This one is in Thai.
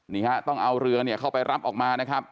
นี่ฮะต้องเอาเรือเนี่ยเข้าไปรับออกมานะครับ